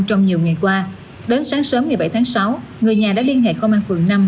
trong nhiều ngày qua đến sáng sớm ngày bảy tháng sáu người nhà đã liên hệ công an phường năm